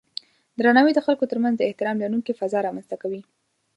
درناوی د خلکو ترمنځ د احترام لرونکی فضا رامنځته کوي.